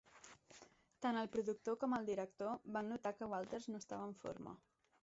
Tan el productor com el director van notar que Walters no estava en forma.